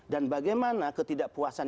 dan bagaimana ketidakpuasan